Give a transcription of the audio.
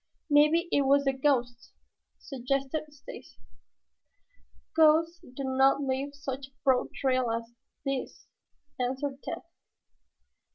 "Maybe it was the ghost," suggested Stacy. "Ghosts do not leave such a broad trail as this," answered Tad.